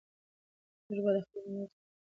موږ باید د خپل مالي حالت څارنه وکړو.